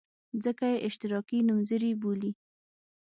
ځکه یې اشتراکي نومځري بولي.